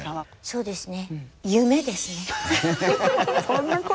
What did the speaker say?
そうですね。